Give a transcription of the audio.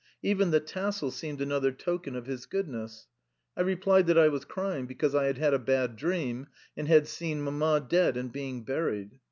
Even the tassel seemed another token of his goodness. I replied that I was crying because I had had a bad dream, and had seen Mamma dead and being buried.